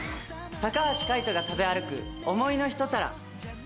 高橋海人が食べ歩く想いの一皿。